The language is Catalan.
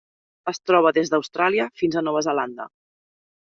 Es troba des d'Austràlia fins a Nova Zelanda.